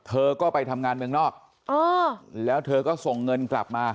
เธอก็ไปทำงานเมืองนอกแล้วเธอก็ส่งเงินกลับมา